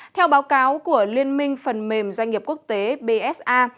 theo báo cáo của liên minh phần mềm doanh nghiệp quốc tế bsa